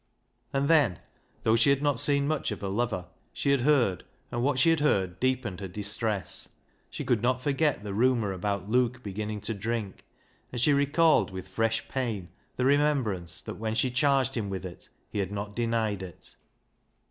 And then, though she had not seen much of her lover, she had heard, and what she had heard deepened her distress. She could not forget the rumour about Luke beginning to drink, and she recalled with fresh pain the remembrance that when she charged him with it he had not denied it.